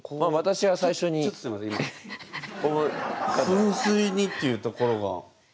「噴水に」っていうところが。